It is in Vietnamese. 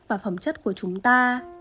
và phẩm chất của chúng ta